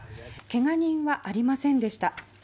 けが人はありませんでした。